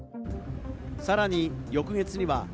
さらに翌月には。